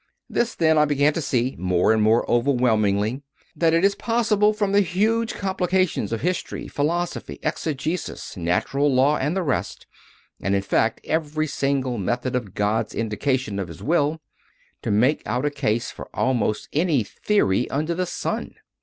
9. This, then, I began to see more and more overwhelmingly: that it is possible, from the huge complications of history, philosophy, exegesis, natural law, and the rest and, in fact, every single method of God s indications of His Will to make out a case for almost any theory under the sun.